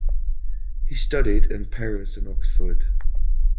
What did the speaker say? He studied in Paris and Oxford.